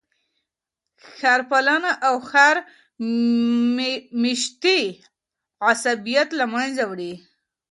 ښار پالنه او ښار میشتي عصبیت له منځه وړي.